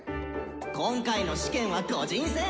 「今回の試験は個人戦！